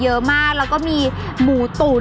เพราะว่าผักหวานจะสามารถทำออกมาเป็นเมนูอะไรได้บ้าง